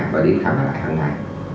và đến khám lại hằng ngày